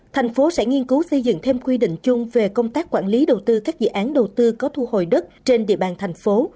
thành phố sẽ nghiên cứu xây dựng thêm quy định chung về công tác quản lý đầu tư các dự án đầu tư có thu hồi đất trên địa bàn thành phố